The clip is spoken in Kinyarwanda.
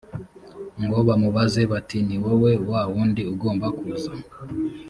ngo bamubaze bati ni wowe wa wundi ugomba kuza